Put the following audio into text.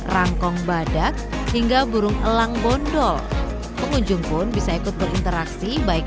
rangkong badak hingga burung elang bondol pengunjung pun bisa ikut berinteraksi baik